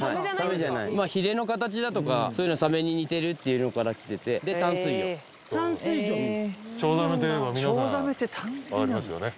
ひれの形だとかそういうのサメに似てるっていうのからきててで淡水魚チョウザメといえば皆さん分かりますよね？